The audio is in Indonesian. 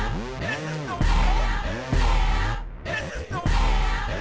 apa banyak verbs benda gitu